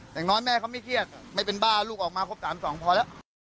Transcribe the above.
ยังงั้นแม่เขาไม่เครียดไม่เป็นบ้าลูกออกมาครบสามสองพอแล้ว